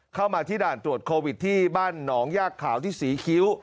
เข้ามาที่ด่านตรวจโควิดที่บ้านหนองยากขาวที่ศรีคิ้ว